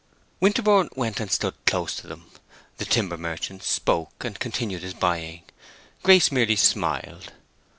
Winterborne went and stood close to them; the timber merchant spoke, and continued his buying; Grace merely smiled.